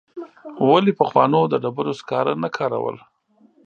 ولي پخوانو د ډبرو سکاره نه کارول؟